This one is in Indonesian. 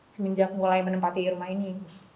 semenjak mulai menempati rumah ini